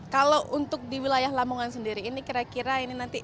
kalau untuk di wilayah lamongan sendiri ini kira kira ini nanti